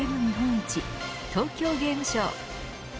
市東京ゲームショウ。